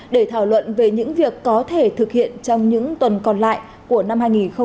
để thảo luận về những việc có thể thực hiện trong những tuần còn lại của năm hai nghìn hai mươi